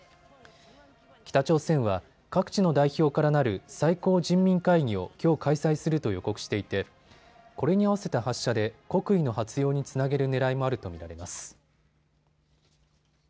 北朝鮮は各地の代表からなる最高人民会議をきょう開催すると予告していてこれに合わせた発射で国威の発揚につなげるねらいもあると見られます。